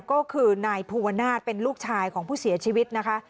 ก็คือนายภูวนาศเป็นลูกชายของผู้เสียชีวิตนะคะ